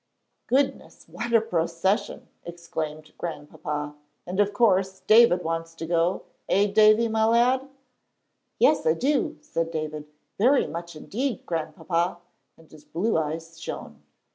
"Goodness, what a procession!" exclaimed Grandpapa; "and of course David wants to go eh, Davie, my lad?" "Yes, I do," said David, "very much indeed, Grandpapa," and his blue eyes shone.